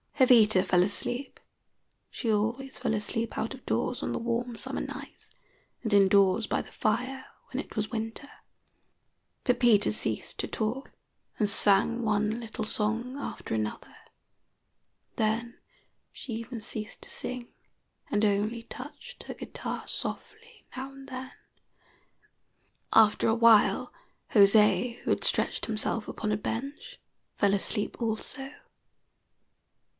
Jovita fell asleep. She always fell asleep out of doors on the warm summer nights, and in doors by the fire when it was winter. Pepita ceased to talk, and sang one little song after another; then she even ceased to sing, and only touched her guitar softly now and then. After a while José, who had stretched himself upon a bench, fell asleep also.